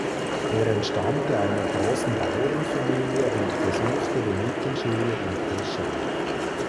Er entstammte einer großen Bauernfamilie und besuchte die Mittelschule in Teschen.